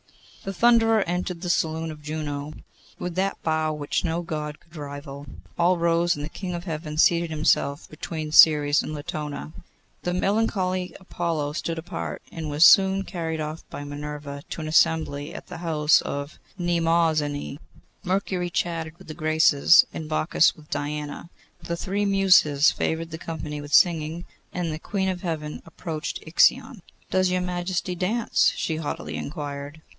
The Thunderer entered the saloon of Juno with that bow which no God could rival; all rose, and the King of Heaven seated himself between Ceres and Latona. The melancholy Apollo stood apart, and was soon carried off by Minerva to an assembly at the house of Mnemosyne. Mercury chatted with the Graces, and Bacchus with Diana. The three Muses favoured the company with singing, and the Queen of Heaven approached Ixion. 'Does your Majesty dance?' she haughtily inquired.